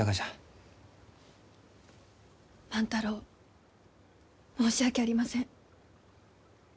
万太郎申し訳ありません。